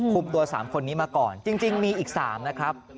ตัว๓คนนี้มาก่อนจริงมีอีก๓นะครับ